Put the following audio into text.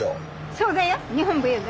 そうだよ。